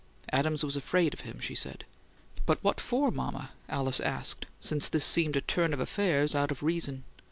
Adams was afraid of him, she said. "But what for, mama?" Alice asked, since this seemed a turn of affairs out of reason.